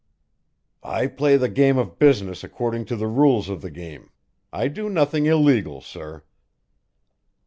"I play the game of business according to the rules of the game; I do nothing illegal, sir."